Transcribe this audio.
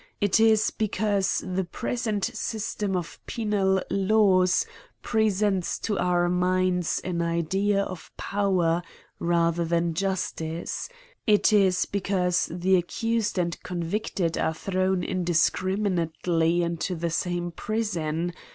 It is because the present system of penal laws presents to our minds an idea of power rather than of justice : it is because the accused and convicted are thrown indiscriminately into the same prison?